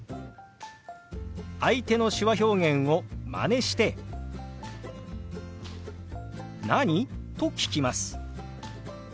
相手の手話表現をまねして「何？」と聞きます。